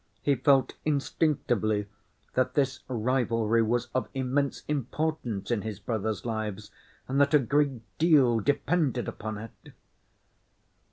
He felt instinctively that this rivalry was of immense importance in his brothers' lives and that a great deal depended upon it.